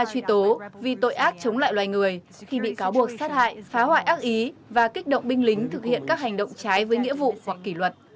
tuy tố vì tội ác chống lại loài người khi bị cáo buộc sát hại phá hoại ác ý và kích động binh lính thực hiện các hành động trái với nghĩa vụ hoặc kỷ luật